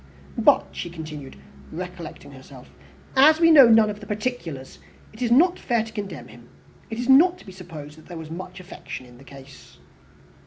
But," she continued, recollecting herself, "as we know none of the particulars, it is not fair to condemn him. It is not to be supposed that there was much affection in the case."